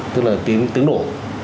tức là tiếng nổ